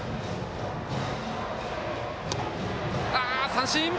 三振。